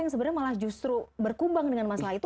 yang sebenarnya malah justru berkumbang dengan masalah itu